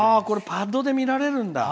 パッドで見られるんだ。